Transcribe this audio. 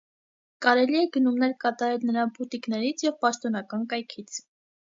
Կարելի է գնումներ կատարել նրա բուտիկներից և պաշտոնական կայքից։